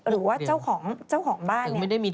หรือว่าเจ้าของบ้านเนี่ย